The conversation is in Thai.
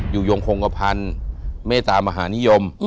อยู่ยงฮงฮัพทันเมตรามหานิยม